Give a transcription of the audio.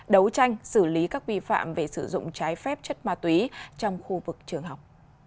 đấu tranh xử lý các vi phạm về sử dụng trái phép chất ma túy trong khu vực trường học